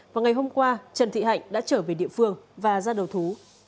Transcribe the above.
vào ngày hôm qua trần thị hạnh đã trở về địa phương và ra đầu thú